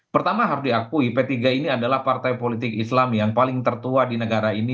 pertama harus diakui p tiga ini adalah partai politik islam yang paling tertua di negara ini